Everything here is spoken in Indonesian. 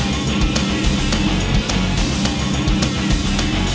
datang bingung pengalaman tajian berikutnya